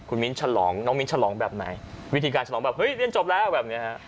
คุณมิ้นฉลองน้องมิ้นฉลองแบบไหนวิธีการฉลองแบบเฮ้ยเรียนจบแล้วแบบนี้ฮะ